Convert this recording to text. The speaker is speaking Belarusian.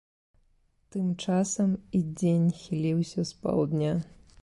Тым часам і дзень хіліўся з паўдня.